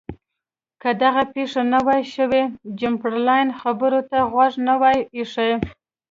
که دغه پېښه نه وای شوې چمبرلاین خبرو ته غوږ نه وای ایښی.